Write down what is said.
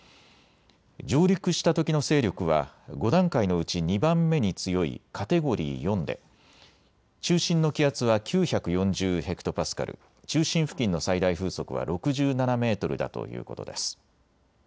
上陸したときの勢力は５段階のうち２番目に強いカテゴリー４で中心の気圧は９４０ヘクトパスカル、中心付近の最大風速は６７メートルだということです。